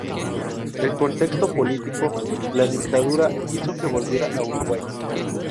El contexto político, la dictadura, hizo que volviera a Uruguay.